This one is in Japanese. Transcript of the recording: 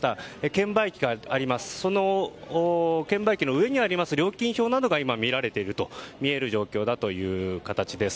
券売機がありますがその券売機の上にあります料金表などがみられているという状況という形です。